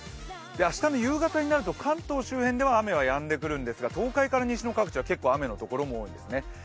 明日の夕方になると、関東周辺では雨がやんでくるんですが東海から西の各地は結構、雨のところも多いですね。